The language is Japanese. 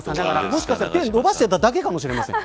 もしかしたら手を伸ばしていただけかもしれません。